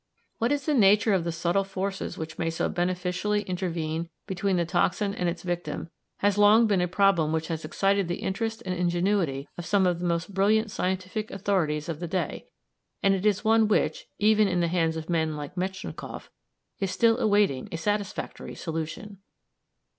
What is the nature of the subtle forces which may so beneficially intervene between the toxin and its victim has long been a problem which has excited the interest and ingenuity of some of the most brilliant scientific authorities of the day, and it is one which, even in the hands of men like Metchnikoff, is still awaiting a satisfactory solution!